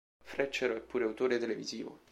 Freccero è pure autore televisivo.